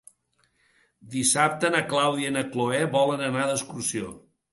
Dissabte na Clàudia i na Cloè volen anar d'excursió.